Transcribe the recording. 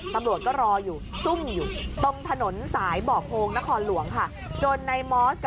ตำรวจก็รออยู่ซุ่มอยู่ตรงถนนสายเบาะโพงนครหลวงค่ะ